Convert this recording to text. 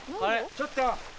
ちょっと。